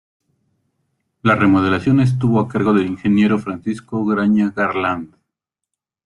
La remodelación estuvo a cargo del ingeniero Francisco Graña Garland.